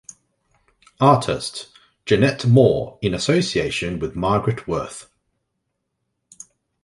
Artist: Janette Moore in association with Margaret Worth.